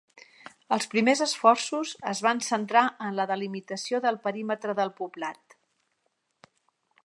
Els primers esforços es van centrar en la delimitació del perímetre del poblat.